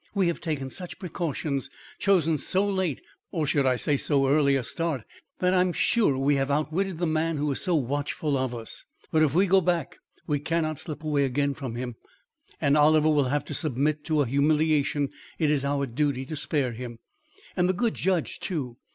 We have taken such precautions chosen so late (or should I say so early) a start that I'm sure we have outwitted the man who is so watchful of us. But if we go back, we cannot slip away from him again; and Oliver will have to submit to an humiliation it is our duty to spare him. And the good judge, too.